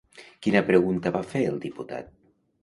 Quina pregunta va fer el diputat?